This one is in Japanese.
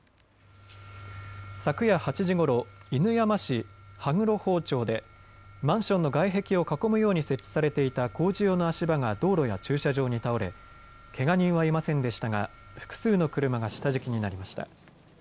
昨夜８時ごろ、犬山市羽黒鳳町でマンションの外壁を囲むように設置されていた工事用の足場が道路や駐車場に倒れけが人はいませんでしたが複数の車が下敷きになりました。